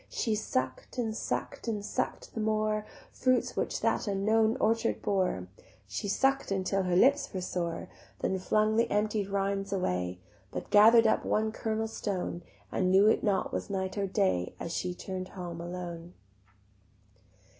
She suck'd and suck'd and suck'd the more Fruits which that unknown orchard bore; She suck'd until her lips were sore; Then flung the emptied rinds away But gather'd up one kernel stone, And knew not was it night or day As she turn'd home alone.